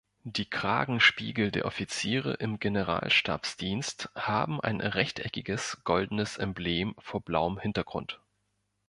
Die Kragenspiegel der Offiziere im Generalstabsdienst haben ein rechteckiges goldenes Emblem vor blauem Hintergrund.